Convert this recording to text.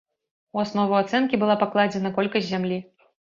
У аснову ацэнкі была пакладзена колькасць зямлі.